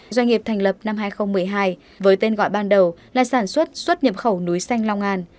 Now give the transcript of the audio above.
doanh nghiệp thành lập năm hai nghìn một mươi hai với tên gọi ban đầu là sản xuất xuất nhập khẩu núi xanh long an